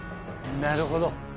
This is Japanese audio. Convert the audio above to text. なるほど。